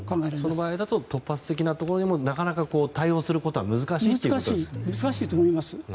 その場合だと突発的なところにもなかなか対応することは難しいと思います。